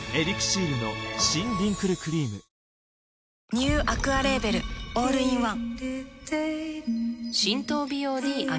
ニューアクアレーベルオールインワン